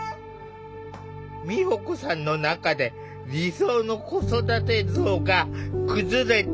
美保子さんの中で理想の子育て像が崩れていった。